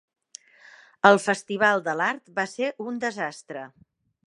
El festival de l'art va ser un desastre.